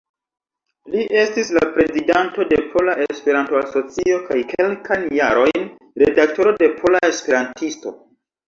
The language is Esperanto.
Li estis la prezidanto de Pola Esperanto-Asocio kaj kelkajn jarojn redaktoro de Pola Esperantisto.